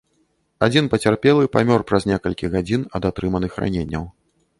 Адзін пацярпелы памёр праз некалькі гадзін ад атрыманых раненняў.